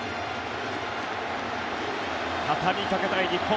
畳みかけたい日本。